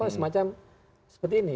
semacam seperti ini